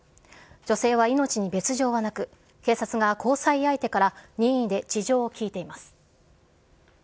女性は命に別状はなく、警察が交際相手から任意で事情を聴いています。